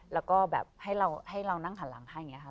แล้วก็แบบให้เรานั่งหันหลังให้อย่างนี้ค่ะ